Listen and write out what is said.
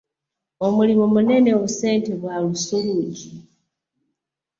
Omulimu Munene, obusente bwa lusuluugi!